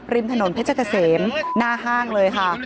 ริมถนนเพชรเกษมหน้าห้างเลยค่ะ